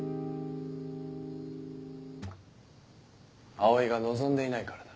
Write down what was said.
葵が望んでいないからだ。